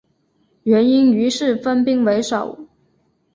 元英于是分兵围守。